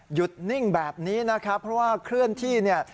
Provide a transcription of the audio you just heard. หยุดนิ่งแบบนี้นะครับเพราะว่าเคลื่อนที่เนี่ย